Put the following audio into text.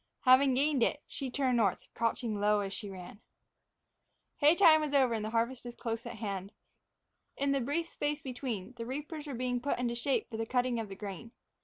Having gained it, she turned north, crouching low as she ran. HAYTIME was over and harvest was close at hand. In the brief space between, the reapers were being put into shape for the cutting of the grain.